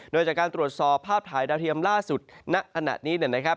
โดยจากการตรวจสอบภาพถ่ายดาวเทียมล่าสุดณขณะนี้นะครับ